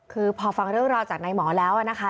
คือพอฟังเรื่องราวจากนายหมอแล้วนะคะ